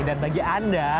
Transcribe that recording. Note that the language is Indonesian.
dan bagi anda